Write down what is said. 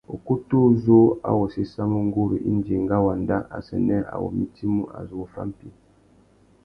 Ukutu uzú a wô séssamú nguru indi enga wandá assênē a wô mitimú a zu wô fá mpí.